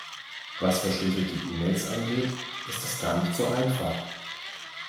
Was verschlüsselte E-Mails angeht, ist das gar nicht so einfach.